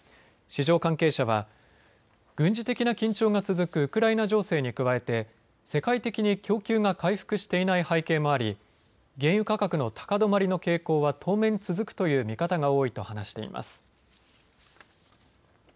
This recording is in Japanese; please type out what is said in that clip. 市場関係者は軍事的な緊張が続くウクライナ情勢に加えて世界的に供給が回復していない背景もあり原油価格の高止まりの傾向は当面、続くという見方が多いと話しています。